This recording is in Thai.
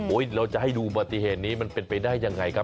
เราจะให้ดูปฏิเหตุนี้มันเป็นไปได้ยังไงครับ